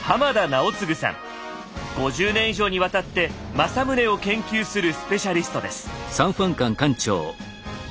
５０年以上にわたって政宗を研究するスペシャリストです。